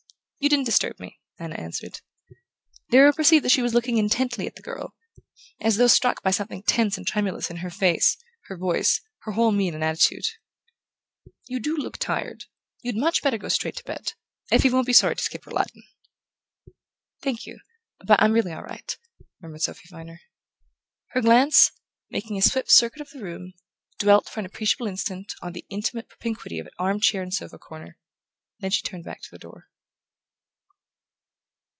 "You didn't disturb me," Anna answered. Darrow perceived that she was looking intently at the girl, as though struck by something tense and tremulous in her face, her voice, her whole mien and attitude. "You DO look tired. You'd much better go straight to bed. Effie won't be sorry to skip her Latin." "Thank you but I'm really all right," murmured Sophy Viner. Her glance, making a swift circuit of the room, dwelt for an appreciable instant on the intimate propinquity of arm chair and sofa corner; then she turned back to the door.